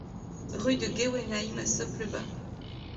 Rue de Guewenheim à Soppe-le-Bas